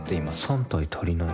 ３体足りない。